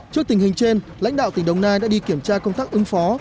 trước tình hình trên lãnh đạo tỉnh đồng nai đã đi kiểm tra công tác ứng phó